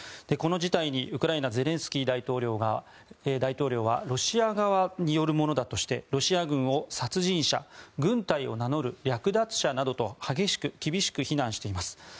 この事態にウクライナゼレンスキー大統領はロシア側によるものだとしてロシア軍を殺人者軍隊を名乗る略奪者などと厳しく非難しています。